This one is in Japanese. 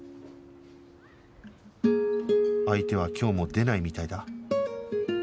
相手は今日も出ないみたいだ